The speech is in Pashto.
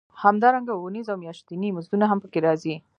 همدارنګه اونیز او میاشتني مزدونه هم پکې راځي